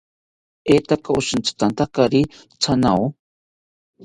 ¿Oetaka oshitzitantakari thanao?